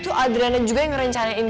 itu adriana juga yang ngerencanain